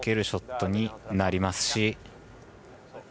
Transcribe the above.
ショットになりますし